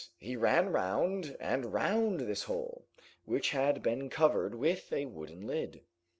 He ran round and round this hole, which had been covered with a wooden lid.